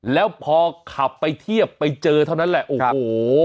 แล้วพอขับไปเทียบไปเจอเท่านั้นแหละโอ้โห